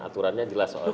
aturannya jelas soalnya